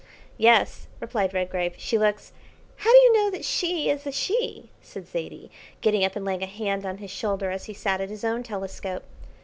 "Yes," replied Redgrave, "she looks " "How do you know that she is a she?" said Zaidie, getting up and laying a hand on his shoulder as he sat at his own telescope.